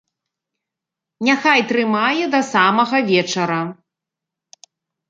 Няхай трымае да самага вечара!